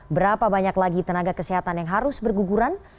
berapa banyak lagi tenaga kesehatan yang harus berguguran